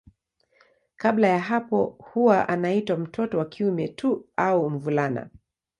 Kabla ya hapo huwa anaitwa mtoto wa kiume tu au mvulana.